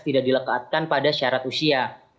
tidak dilekatkan pada syarat usia